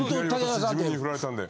地味に振られたんで。